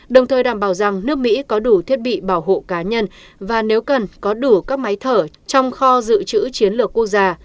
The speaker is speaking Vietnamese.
đồng thời đảm bảo rằng nước mỹ có đủ thiết bị bảo hộ cá nhân và nếu cần có đủ các máy thở trong kho dự trữ chiến lược quốc gia